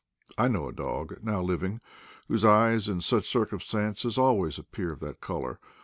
I know a dog, now living, whose eyes in such circumstances always appear of that color.